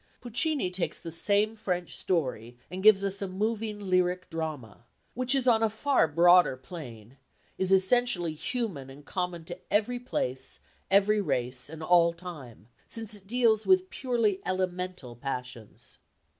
Puccini takes the same French story and gives us a moving lyric drama, which is on a far broader plane, is essentially human and common to every place, every race and all time, since it deals with purely elemental passions.